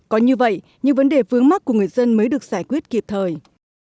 có như vậy những vấn đề vướng mắt của người dân mới được giải quyết kịp thời